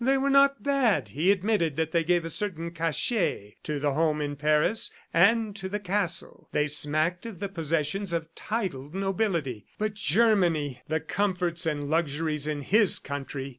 They were not bad; he admitted that they gave a certain cachet to the home in Paris and to the castle. They smacked of the possessions of titled nobility. But Germany! ... The comforts and luxuries in his country!